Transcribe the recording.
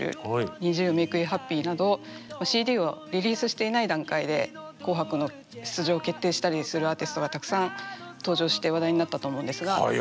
ＮｉｚｉＵ「Ｍａｋｅｙｏｕｈａｐｐｙ」などＣＤをリリースしていない段階で「紅白」の出場決定したりするアーティストがたくさん登場して話題になったと思うんですが。